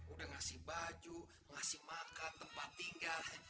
udah ngasih baju ngasih makan tempat tinggal